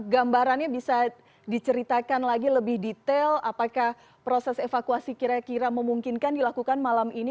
gambarannya bisa diceritakan lagi lebih detail apakah proses evakuasi kira kira memungkinkan dilakukan malam ini